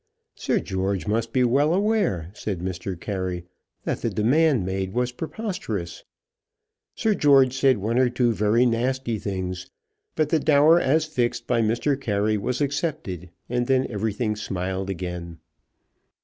Sir George must be well aware, said Mr. Carey, that the demand made was preposterous. Sir George said one or two very nasty things; but the dower as fixed by Mr. Carey was accepted, and then everything smiled again.